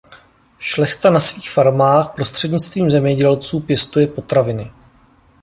Šlechta na svých farmách prostřednictvím zemědělců pěstuje potraviny.